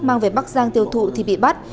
mang về bắc giang tiêu thụ thì bị bắt